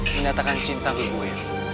menyatakan cinta ke gue